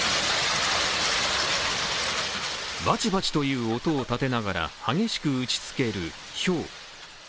バチバチという音を立てながら激しく打ちつけるひょう。